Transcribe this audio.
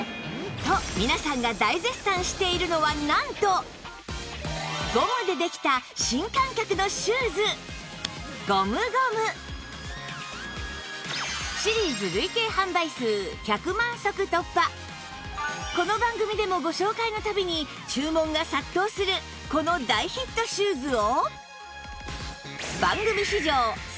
と皆さんが大絶賛しているのはなんとゴムでできたこの番組でもご紹介の度に注文が殺到するこの大ヒットシューズを